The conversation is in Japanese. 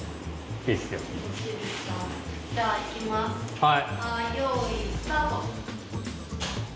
はい。